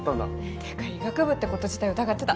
ってか医学部って事自体疑ってた。